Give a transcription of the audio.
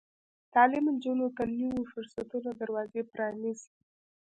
تعلیم نجونو ته د نويو فرصتونو دروازې پرانیزي.